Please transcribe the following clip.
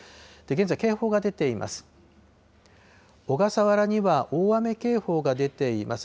現在、警報が出ています。